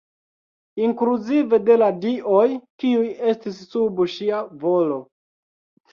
Inkluzive de la dioj kiuj estis sub ŝia volo.